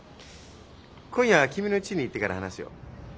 今夜君のうちに行ってから話すよ。